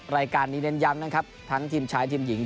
รายการนี้เน้นย้ำนะครับทั้งทีมชายทีมหญิง